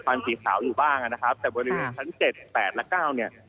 สีขาวอยู่บ้างนะครับแต่บริเวณชั้นเจ็ดแปดและเก้าเนี่ย